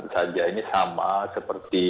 saja ini sama seperti